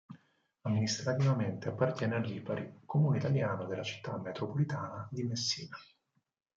Amministrativamente appartiene a Lipari, comune italiano della città metropolitana di Messina.